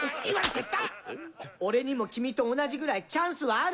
俺にも君と同じぐらいチャンスはある。